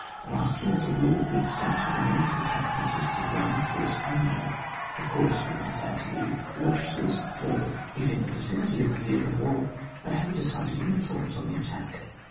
Lastly, as a rule, the extent of the means of attack consists of the armed force only; of course, we must add to these the fortresses, for if in the vicinity of the theatre of war, they have a decided influence on the attack.